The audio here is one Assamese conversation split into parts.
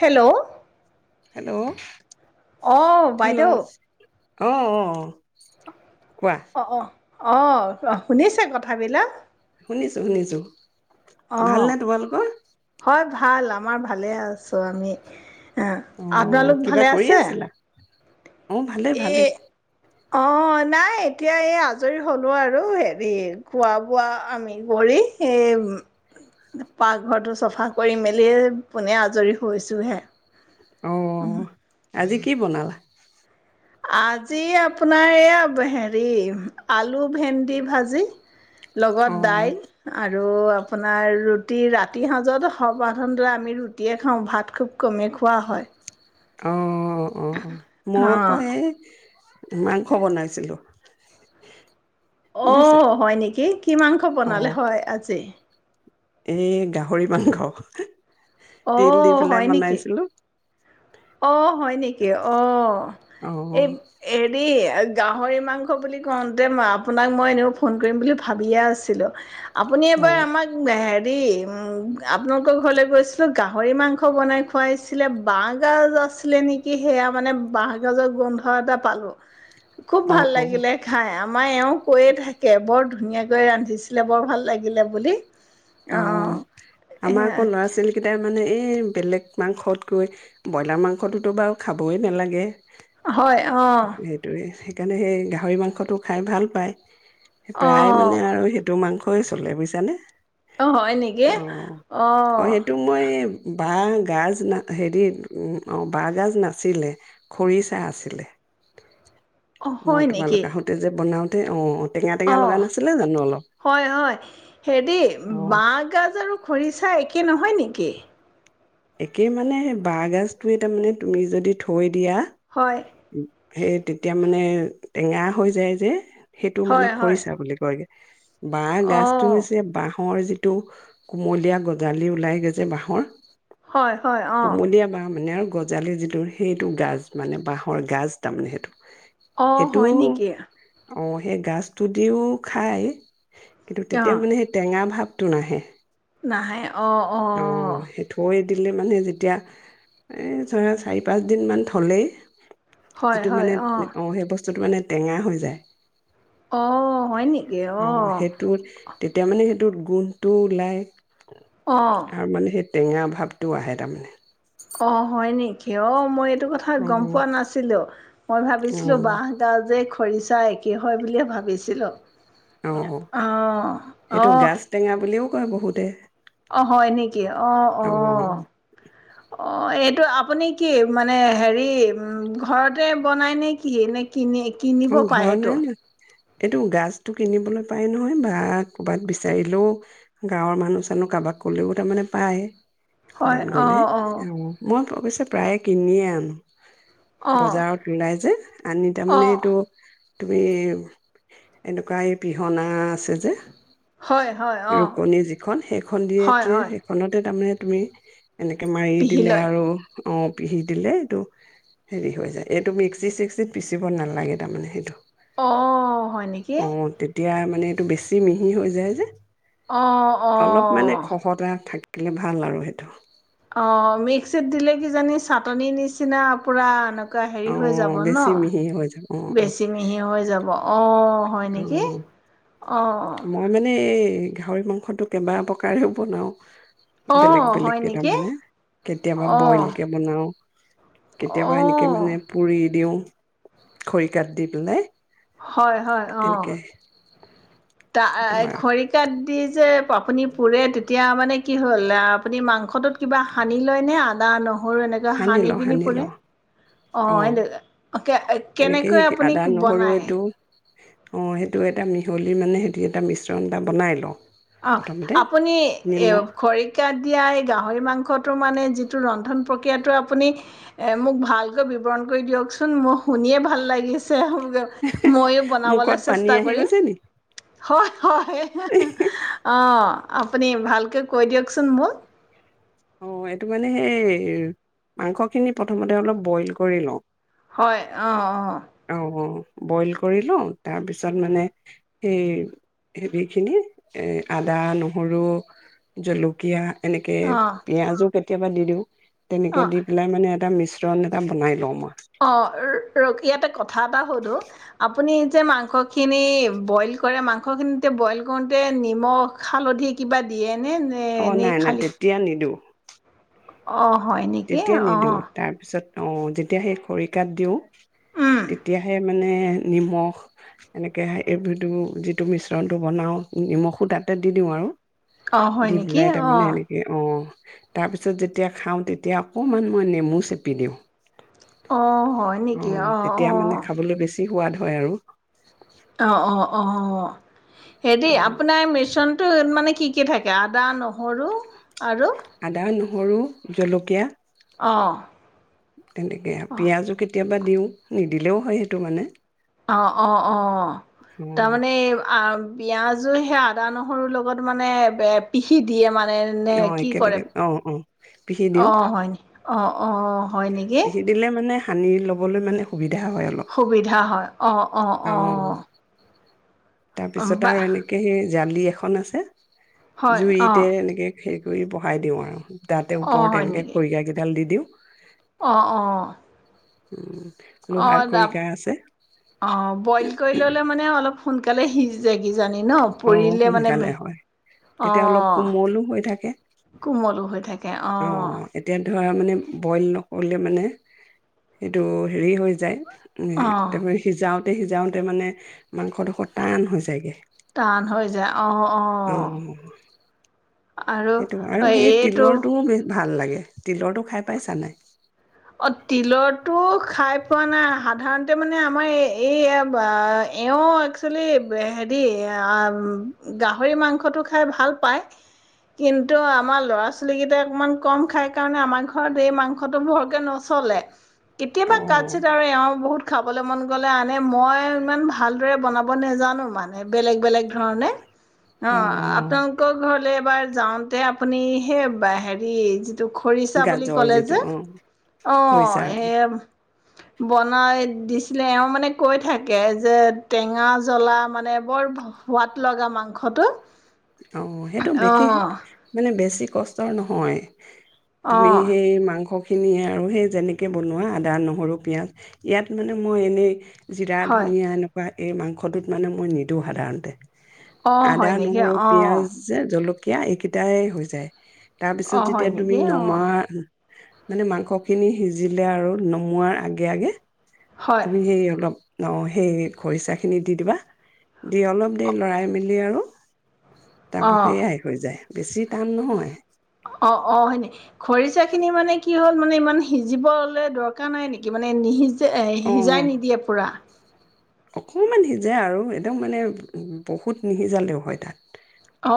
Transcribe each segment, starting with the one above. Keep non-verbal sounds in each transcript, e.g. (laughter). হেল্ল' হেল্ল' আহ হেল্ল' বাইদেউ। অ' অ'। কোৱা অ', অ'। অ', শুনিছে কথাবিলাক? শুনিছো, শুনিছো অঁ ভালনে তোমালোকৰ? হয় ভাল আমাৰ ভালে আছো আমি। (unintelligible) অ আপোনালোক কিবা ভালে কৰি আছে? আছিলা অ', ভালে ভালে। অ', নাই এতিয়া এই আজৰি হলো আৰু হেৰি খোৱা বোৱা আমি কৰি এই পাক ঘৰটো চফা কৰি মেলিয়ে পোনে আজৰি হৈছোহে। অ', আজি কি বনালা? আজি আপোনাৰ এইয়া হেৰি আলু, ভেন্দি ভাজি। অ লগত দাইল আৰু আৰু আপোনাৰ ৰুটি ৰাতি সজত স্বাধাৰণতে আমি ৰুটিয়ে খাওঁ ভাত খুব কমেই খোৱা হয়। অ' অ' অ', মই আকৌ অঁ এই মাংস বনাইছিলোঁ। অ' হয় নেকি কি মাংস অ বনালে হয় আজি? এই গাহৰি মাংস। তিল অঁ দি পেলাই হয় নেকি বনাইছিলো। অ' হয় নেকি অ' অ এই হেৰি গাহৰি মাংস বুলি কওঁতেই আপোনাক মই এনেও ফোন কৰিম বুলি ভাবিয়ে আছিলো আপুনি অ এবাৰ আমাক আপোনালোকৰ ঘৰলৈ গৈছিলো গাহৰি মাংস বনাই খুৱাইছিলে বাঘ বাহ গাজ আছিলে নেকি সেয়া মানে বহ গাজৰ গোন্ধ এটা পালো। খুব অ ভাল অ লাগিলে খাই আমাৰ এওঁ কৈয়ে থাকে বৰ ধুনীয়াকৈ ৰান্ধিছিলে বৰ ভাল লাগিলে বুলি। অ' এ আমাৰ আকৌ ল'ৰা ছোৱালী কেইটাৰ মানে এই বেলেগ মাংসতকৈ ব্ৰইলাৰ মাংসটোতো বাৰু খাবই নালাগে হয় আহ সেইটোৱে সেইকাৰণে সেই গাহৰি মাংসটো খাই ভাল পায় অ প্ৰায় মানে আৰু সেই তটো মাংসই চলে বুজছানে আহ হয় নেকি অ', আহ সেইটো মই বাঁহ গাজা হেৰি অ বাঁহগাজ নাছিলে খৰিচা আছিলে অ মই হয় নেকি তোমালোক আহোতে যে বনাও তে অ টেঙা টেঙা অ লগা নাছিলে জানো অলপ হয় হয় সেইটো এই অ', বাঁহগাজ আৰু খৰিচা একে নহয় নেকি কেকে একে মানে বাঁহগাজটোতাৰ মানে তুমি যদি থৈ দিয়া হয় সেই তেতিয়া মানে টেঙা হৈ যায় যে সেইটো মানে হয় হয় খৰিছা বুলি কয়গে বাঁহ অ গছতটো হৈছে বাঁহ বাঁহৰ যিটো কুমলীয়া গজালি ওলাই গৈছে বাঁহৰ হয় হয় অ কুমলীয়া বাঁহ মানে আৰু গজালি যিটো সেইটো গাজ মানে বাঁহ ৰ গাজ তামানে সেইটো অ সেইটো হয় নেকি অ সেই গাজটো দিও খায় কিন্তু অ তেতিয়া মানে সেই টেঙা ভাৱ তু নাহে নাহে অ সেইটোৱেই ম হয় যিটো হয় মানে অ সেই বস্তু মানে টেঙা হৈ যায় আহ হয় নেকি অ আহ সেইটোত তেতিয়া মানে সেইটোত গোন্ধটো ওলায় অ আৰু মানে সেই টেঙা ভাৱটোও আহে তাৰমানে অ হয় নেকি অ মই এইটো কথা অ গম পোৱা নাছিলো মই ভাবিছিলো বাহডাল যে খৰিচা একেই হয় বুলিয়ে ভাবিছিলোঁ অ অ আহ সেইটো আহ গাজ টেঙা বুলিও কয় বহুতে অ হয় নেকি অ অ অঁ এইটো আপুনি কি মানে হেৰি ঘৰতে বনায় নে কি নে কিনি কিনিব অ পাই ঘৰ নাই সেইটোৱেই ন এইটো গাজতটো কিনিবলৈ পায় নহয় বা ক'ৰবাত বিচাৰিলেও গাঁৱৰ মানুহ চানহ কাৰোবাক কলেও তাৰমানে পায় কবাত গ'লে অ মই অৱশছে প্ৰায়ে কিনিয়ে আনো অ বজাৰত ওলাই যে আনি অ তাৰমানে তুমি এনেকুৱা এই পিহনা আছে যে হয় হয় অ ৰুকনি যিখন সেইখন হয় দিয়েতে হয় সেইখনতে তাৰমানে তুমি এনেকে মাৰি পিহি দিলে লয় আৰু অ পিহি দিলে এইটো হেৰি হৈ যায় এইটো মিক্সি চিক্সিত পিচিব নালাগে তাৰমানে সেইটো অ হয় নেকি অ তেতিয়া মানে এইটো বেছি মিহি হৈ যায় যে আহ অলপ মানে আহ খহটা থাকিলে ভাল আৰু সেইটো অ মিক্সিত দিলে কিজানি চাটনি নিচিনা পুৰা একা োক হেৰি হৈ যাব অ', ন বেছি মিহি হৈ যাব অ', বেছি মিহি হৈ যাব অ হয় নেকি অহ অ মই মানে এই গাহৰি মাংসটো কেইবা প্ৰকাৰেও বনাওঁ। অ বেলেগ বেলেগ হয় কেই নেকি তাৰমানে কেতিয়াবা বইল অ কে বনাও কেতিয়াবা এনেকে মানে অ', পুৰি দিওঁ। খৰি কাত দি পেলাই। হয় হয় অহ। এনেকে তা সেইটো আৰু খৰিকাত দি যে আপুনি পুৰে তেতিয়া মানে কি হ'ল আপুনি মাংসটোত কিবা সানি লয় নে আদা নহ সৰু এনেকা সানি হানি লওঁ, পিনি সানি পুৰে লওঁ অ', অহ কেনেকৈ আপুনি বনায়? অহ সেইটো এটা মিহলি মানে সেইটো এটা মিশ্ৰণ এটা বনাই লওঁ। অহ প্ৰথমতে আপুনি এ নিমখ খৰিকাত দিয়া এই গাহৰি মাংসটো মানে যিটো ৰন্ধন প্ৰক্ৰিয়াটো আপুনি মোক ভালকৈ বিৱৰণ কৰি দিয়কচোন মোৰ শুনিয়ে ভাল লাগিছে। ময়ো মুখত বনাবলৈ পানী চেষ্টা আহি কৰিম গৈছে নি? হয়। হয়। অহ। অহ আপুনি ভালকৈ কৈ দিয়কচোন মোক। অহ এইটো মানে সেই মাংসখিনি প্ৰথমতে অলপ বইল কৰি লওঁ। হয় অহ অহ। অ', বইল কৰি লওঁ তাৰপিছত মানে সেই হেৰিখিনি আদা নহৰু জলকীয়া এনেকে অঁ অঁ পিয়াজো কেতিয়াবা দি দিওঁ। তেনেকে অঁ দি পেলাই মানে এটা মিশ্ৰণ এটা বনাই লওঁ মই। অহ ৰ ইয়াতে কথা এটা সোধো আপুনি যে মাংস খিনি বইল কৰি মাংস খিনি বইল কৰোতে নিমখ হালধি কিবা দিয়ে অহ নাই নাই তেতিয়া নিদিওঁ। অহ। হয় নেকি অহ। অহ যেতিয়া সেই খৰিকাত দিওঁ। উম, তেতিয়াহে মানে নিমখ এনেকে এইবি যিটো মিশ্ৰণটো বনাওঁ নিমখো তাতে দি দিওঁ আৰু। অঁ হয় দি নেকি পলাই তাৰমানে অঁ এনেকে অহ। তাৰ পিছত যেতিয়া খাওঁ তেতিয়া তেতিয়া অকণমান মই নেমু চেপি দিওঁ। আহ হয় অ নেকি আহ তেতিয়া মানে আহ। খাবলৈ বেছি সোৱাদ হয় আৰু। অঁ অঁ হেদি অ আপোনাৰ মিশ্ৰণ মানে কি কি থাকে আদা নহৰু আৰু আদা নহৰু জলকীয়া অঁ তেনেকৈ আৰু পিঁয়াজো কেতিয়া কেতিয়াবা দিওঁ নিদিলেও হয় সেইটো মানে অ অ অ অ তাৰমানে আ। পিয়াজো সেই আদা নহৰু লগত মানে পিহি দিয়ে মানে। নে আহ কি কৰে একেলগে অ অ পিহি দিওঁ অ', হয় নি অ। অ', হয় নেকি? বিকি দিলে মানে সানি ল'বলৈ মানে সুবি সুবিধা হয়, অ। অঁ অঁ। তাৰ পিছত আৰু এনেকে সেই জালি এখন আছে, হয় অ', জুইতে এনেকে খে পুৰি বহাই দিওঁ আৰু। তাতে অ', ওপৰত হয় এনেকে নেকি? খৰিকা কেইডাল দি দিওঁ। অ অ। উম। অ লোহাৰ দা, খৰিকা আছে অ বইল কৰি ললে মানে অলপ সোনকালে সিজি যাই কি জানি ন, অ পুৰিলে মানে, সোনকালে হয় অ। তেতিয়া অলপ কোমলো হৈ থাকে কোমলো হৈ থাকে, অ। এতিয়া ধৰা মানে, বইল নকৰিলে মানে, সেইটো হেৰি হৈ যায় উ সেই, অ'। তাৰপৰা সিজাও তাতে সিজাওঁতে মানে মাংসডোখৰ টান হৈ যায়গে। টান হৈ যায় অ অ। আৰু সেইটো, আৰু সেই এইটো তিলৰটোও ভাল লাগে। তিলৰটো খাই পাইছা নাই? অ তিলৰ টো খাই পোৱা নাই। সাধাৰণতে মানে আমাৰ এই এই এওঁ একচুৱেলি হেৰি আ গাহৰি মাংসটো খাই ভাল পায়, কিন্তু আমাৰ ল'ৰা ছোৱালীকেইটাই অকণমান কম খাই কাৰণে আমাৰ ঘৰত এই মাংসটো বৰ কে নচলে। অ কেতিয়াবা কাটচিট আৰু এ‌ওঁ বহুত খাবলৈ মন গ'লে আনে, মই ইমান ভালদৰে বনাব নেজানো মানে। বেলেগ বেলেগ ধৰণে। অ, আপোনালোকৰ ঘৰলে এইবাৰ যাওঁতে আপুনি সেই হেৰি, যি টো খৰিছা বুলি গাজৰ ক'লে যিটো যে, অ অ, খৰিচা দি এ বনাই দিছিলে। এওঁ মানে কৈ থাকে যে টেঙা জ্বলা মানে বৰ সোৱাদ লগা মাংসটো। অ সেইটো বে অ মানে বেছি কষ্টৰ নহয় অ তুমি সেই মাংস খিনি আৰু সেই যেনেকৈ বনোৱা আদা নহৰু পিঁয়াজ ইয়াত মানে মই এনেই জিৰা হয় ধনিয়া এনেকুৱা এই মাংসটোত মানে মই নিদিওঁ সাধাৰণতে অ আদা, হয় নেকি নহৰু, অ পিঁয়াজ জলকীয়া য়া এইকেইটাই হৈ যায় অ তাৰপিছত হয় যেতিয়া তুমি নেকি অ নমা মানে মাংস খিনি সিজিলে আৰু নমোৱাৰ আগে আগে হয় তুমি সেই অলপ ন সেই খৰিচাখিনি দি দিবা দি অলপ অ দেৰি লৰাই মেলি আৰু তাৰপা সেয়াই হৈ যায় বেছি টান নহয় অ অ হয় নেকি খৰিচাখিনি মানে কি হল মানে ইমান সিজিব দকাৰ নাই নেকি মানে নি এ অ'। সিজাই নিদিয়ে পুৰা অকমান সিজে আৰু একদম মানে বহুত নিসিজালেও হয় তাত অ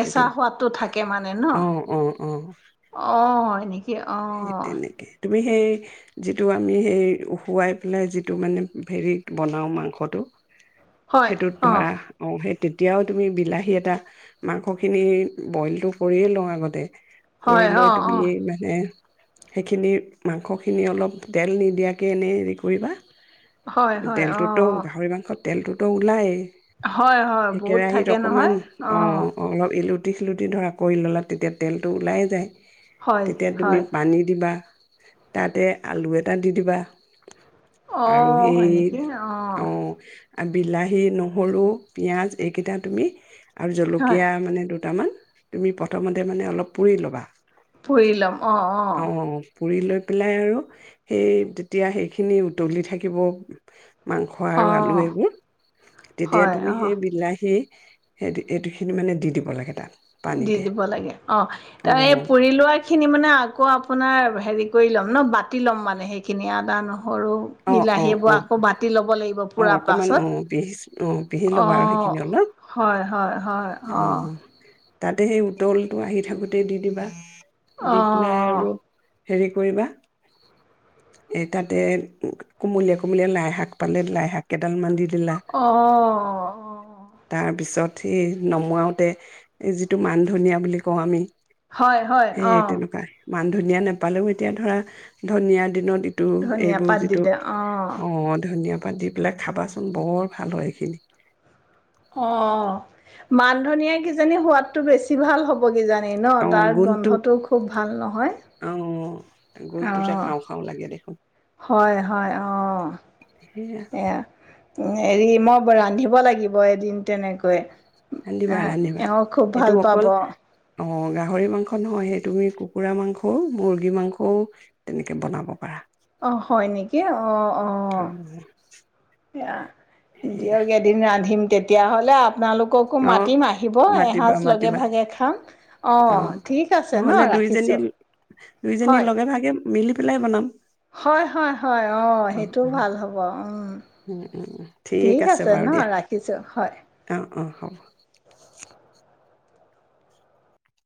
সেইটো সোৱাদটো থাকে মানে ন অ', অ', অ', অ কিয় অঁ আমি সেই যিটো আমি সেই উখুৱাই পেলাই যিটো মানে হেৰিত বনাওঁ মাংসটো হয়, সেইটোত অ', ধৰা আহ সেই তেতিয়াও তুমি বিলাহী এটা মাংসখিনি বইলটো কৰিয়ে লওঁ আগতে কৰি হয়, লৈ অ', তুমি অ', মানে সেইখিনি মাংসখিনি অলপ তেল নিদিয়াকে এনেই হেৰি কৰিবা হয় হয় অ তেলটোতো অ গাহৰি মাংসত তেলটোতো ওলায়েই হয় হয় সেই বহুত কেৰাহীত থাকে নহয় আহ লুটি খিলুটি ধৰা কৰি ল'লা তেতিয়া তেলটো ওলাই যায় হয় হয় দি দিবা তাতে আলু এটা দি দিবা আৰু আহ হয় নেকি আহ আৰু বিলাহী নহৰু পিঁয়াজ এইকেইটা তুমি আৰু হয়, জলকীয়া মানে দু দুটামান তুমি প্ৰথমতে মানে অলপ পুৰি ল'বা পুৰি লম অ পুৰি লৈ পেলাই আৰু সেই তেতিয়া সেইখিনি উতলি থাকিব মাংস আৰু আলু অ', এইবোৰ তেতিয়া হয়, তুমি অ', সেই বিলাহী সেইটো এইটো খিনি মানে দি দিব লাগে তাত দি পানীতে দিব লাগে অ অ', তাৰ এই পুৰি লোৱা খিনি মানে ন আকৌ আপোনাৰ হেৰি কৰি ল'ম ন বাতি ল'ম মানে সেইখিনি আদা নহৰু সৰু অ', অ', বিলাহীবোৰ অ', আকৌ বাতি ল'ব লাগিব অ', পূৰা অকমান পাছত অ', পিহি অ', পিহি ল'বা আৰু অঁ সেইখিনি অলপ হয় হয় হয় হয় অ তাতে সেই তলটো আহি থাকোতে দি দিবা দি পেলাই অ', আৰু হেৰি কৰিবা এ তাতে কোমলীয়ে কোমলীয়া লাই শাক পালে লাই শাক কেইডাল দি দিলা। আহ তাৰপিছত অ সেই নমুৱাওঁতে এই যিটো মানধনিয়া বুলি কওঁ আমি হয় হয় অ সেই তেনেকুৱা মান ধনীয়া নাপালেও এতিয়া ধৰা ধনীয়াত (unintelligible) এইটো ধনিয়া এইবোৰ পাত যিটো দিলে অ ধুনীয়া দি পেলাই খাবাচোন বৰ ভাল হয় এইখিনি অ মান ধনীয়া কিজানি সোৱাদটো বেছি ভাল হব কিজানি অ', তাৰ গোন্ধটো গন্ধটো খুব ভাল নহয় অ', গোন্ধটোতে অ', খাওঁ, খাওঁ লাগে দেখোন। হয়, হয় অ! সেয়া এয়া! হেৰি, মই ৰান্ধিব লাগিব এদিন তেনেকৈ। অ! ৰান্ধিবা এওঁ খুব ভাল পাব। অঁ গাহৰি মাংস নহয়, সেই তুমি কুকুৰা মাংসও, মুৰ্গী মাংসও তেনেকে বনাব পাৰা। অ! হয় নেকি? কি? অ! অ! অ', এয়া সেয়া দিয়ক, এদিন ৰান্ধিম। তেতিয়াহ'লে আপোনালোককো অ', মাতিম, আহিব মাতিবা এসাজ লগে মাতিবা ভাগে খাম অ! ঠিক আছে ন! নহ'লে দুইজনী ৰাখিছোঁ দুইজনী হয়। লগে ভাগে মিলি পেলাই বনাম। হয়! হয়! হয়! অ! সেইটোও ভাল হ'ব উম। ঠিক আছে বাৰু দিয়া। ৰাখিছোঁ হয় অ! অ! অ! হ'ব।